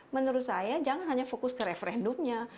menurut saya jangan hanya fokus ke referendumnya